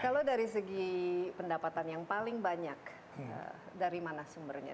kalau dari segi pendapatan yang paling banyak dari mana sumbernya